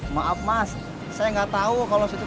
maaf mas saya nggak tahu kalau suatu kagetan